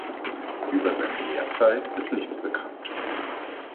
Über seine Lehrzeit ist nichts bekannt.